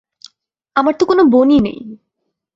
আমার তো কোনো বোন-ই নেই।